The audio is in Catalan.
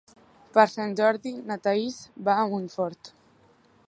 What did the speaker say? Per Sant Jordi na Thaís va a Montfort.